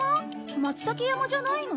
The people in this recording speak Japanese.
松たけ山じゃないの？